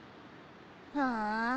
ふん。